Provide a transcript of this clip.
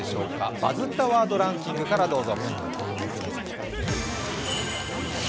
「バズったワードランキング」からどうぞ。